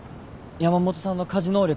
山本さんの家事能力って。